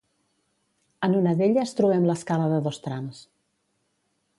En una d'elles trobem l'escala de dos trams.